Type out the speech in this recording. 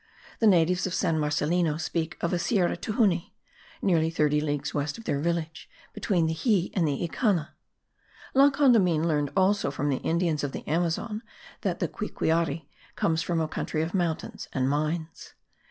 The natives of San Marcellino speak of a Sierra Tunuhy, nearly thirty leagues west of their village, between the Xie and the Icanna. La Condamine learned also from the Indians of the Amazon that the Quiquiari comes from a country of mountains and mines.